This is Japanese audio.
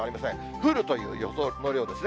降るという予想の量ですね。